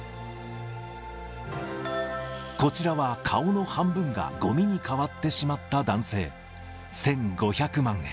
こちらは、顔の半分がごみに変わってしまった男性。